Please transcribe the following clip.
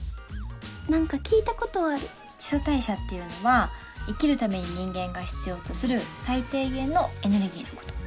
何か聞いたことある基礎代謝っていうのは生きるために人間が必要とする最低限のエネルギーのこと